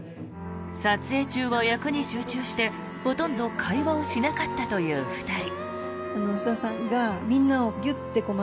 撮影中は、役に集中してほとんど会話をしなかったという２人。